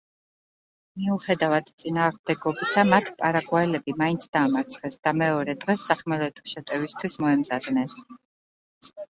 მიუხედავად წინააღმდეგობისა, მათ პარაგვაელები მაინც დაამარცხეს და მეორე დღეს სახმელეთო შეტევისთვის მოემზადნენ.